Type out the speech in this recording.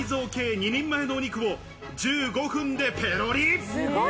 ２人前のお肉を１５分でペロリ。